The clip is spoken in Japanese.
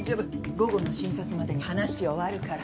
午後の診察までに話終わるから。